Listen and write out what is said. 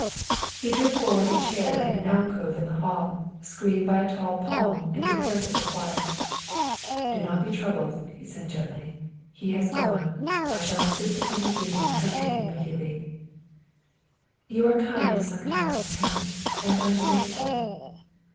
He drew forward a chair in an alcove in the hall, screened by a tall palm and comparatively quiet. " Do not be troubled," he said gently, " he has gone. I shall insist upon his leaving the country immediately. '''' You are kind sometimes, Count, and I am grateful.